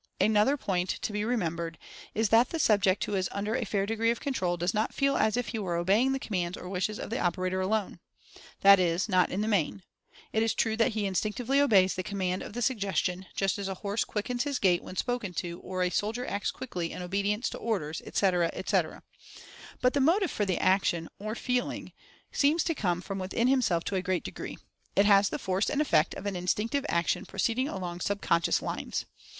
Another point to be remembered is that the subject who is under a fair degree of control does not feel as if he were obeying the commands or wishes of the operator alone. That is, not in the main. It is true that he instinctively obeys the command of the Sug gestion, just as a horse quickens his gait when spoken to, or a soldier acts quickly in obedience to orders, etc., etc. But the motive for the action, or feeling, Rationale of Fascination 59 seems to come from within himself to a great degree. It has the force and effect of an instinctive action pro ceeding along sub conscious lines.